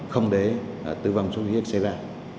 không để tư văn xuất huyết xảy ra